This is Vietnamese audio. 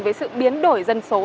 với sự biến đổi dân số